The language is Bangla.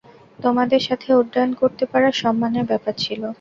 তোমাদের সাথে উড্ডয়ন করতে পারা সম্মানের ব্যাপার ছিল।